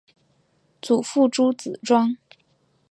祖父朱子庄。